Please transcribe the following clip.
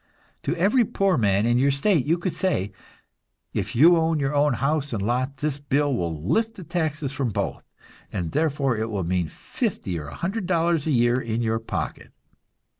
To every poor man in your state you could say, "If you own your own house and lot, this bill will lift the taxes from both, and therefore it will mean fifty or a hundred dollars a year in your pocket.